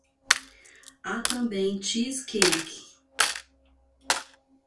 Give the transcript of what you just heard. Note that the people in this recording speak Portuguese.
Há também cheesecake